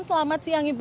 selamat siang ibu